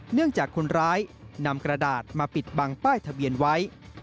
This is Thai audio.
เนื่องจากคนร้ายนำกระดาษมาปิดบังป้ายทะเบียนไว้